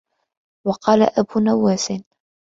وَقَالَ أَبُو نُوَاسٍ